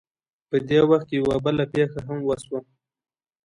په دې وخت کې یوه بله پېښه هم وشوه.